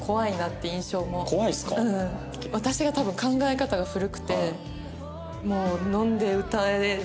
私が多分考え方が古くてもう飲んで歌え！みたいな。